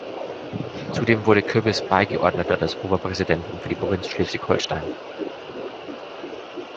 Zudem wurde Kürbis Beigeordneter des Oberpräsidenten für die Provinz Schleswig-Holstein.